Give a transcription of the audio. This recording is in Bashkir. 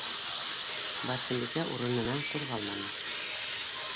- Барсынбикә урынынан ҡуҙғалманы.